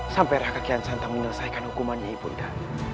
sampai raka kian santan menyelesaikan hukumannya ibu nda